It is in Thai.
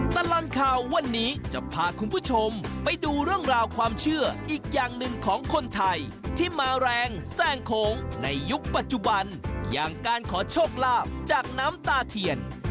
ตลอดข่าววันนี้จะพาคุณผู้ชมไปดูเรื่องราวความเชื่ออีกอย่างหนึ่งของคนไทยที่มาแรงแซ่งโค้งในยุคปัจจุบันอย่างการขอโชคลาภจากน้ำตาเทียน